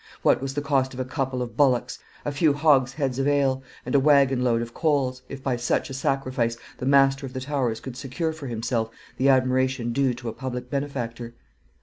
What was the cost of a couple of bullocks, a few hogsheads of ale, and a waggon load of coals, if by such a sacrifice the master of the Towers could secure for himself the admiration due to a public benefactor?